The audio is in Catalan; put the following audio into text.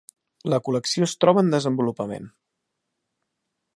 La col·lecció es troba en desenvolupament.